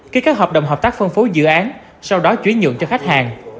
khi các hợp đồng hợp tác phân phối dự án sau đó chú ý nhượng cho khách hàng